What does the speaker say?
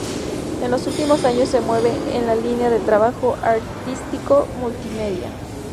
En los últimos años se mueve en una línea de trabajo artístico multimedia.